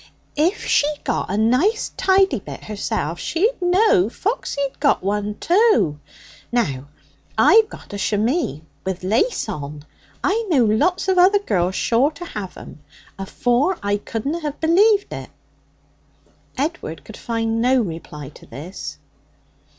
'If she'd got a nice tidy bit herself, she'd know Foxy'd got one, too. Now I've got a shimmy with lace on, I know lots of other girls sure to have 'em. Afore I couldna have believed it.' Edward could find no reply to this.